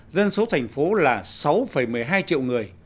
dân số thành phố là sáu một mươi hai triệu người